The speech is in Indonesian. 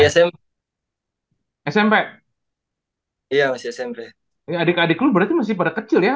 smp iya adik adik lu berarti masih pada kecil ya